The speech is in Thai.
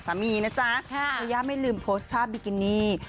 สามีนะจ๊ะยาย่าไม่ลืมโพสต์ภาพบิกินี่